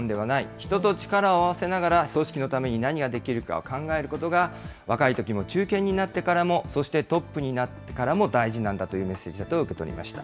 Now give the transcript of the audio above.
人と力を合わせながら、組織のために何ができるかを考えることが、若いときも中堅になってからもそしてトップになってからも大事なんだというメッセージだと受け取りました。